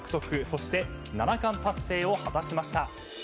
「そして七冠達成を果たしました」